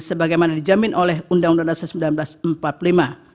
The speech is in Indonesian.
sebagaimana dijamin oleh undang undang dasar seribu sembilan ratus empat puluh lima